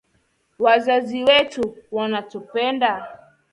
Wazazi wetu wanatupenda